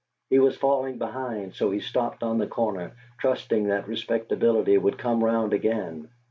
He was falling behind, so he stopped on the corner, trusting that Respectability would come round again.